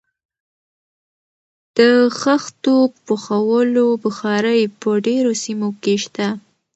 د خښتو پخولو بخارۍ په ډیرو سیمو کې شته.